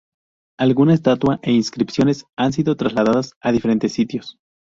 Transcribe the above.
Alguna estatua e inscripciones han sido trasladadas a diferentes sitios.